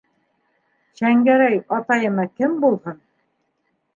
Шәңгәрәй атайыма кем булһын?